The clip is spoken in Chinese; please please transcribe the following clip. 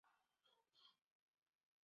属会川路。